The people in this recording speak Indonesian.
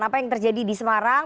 apa yang terjadi di semarang